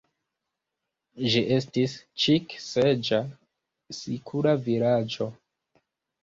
Ĝi estis ĉik-seĝa sikula vilaĝo.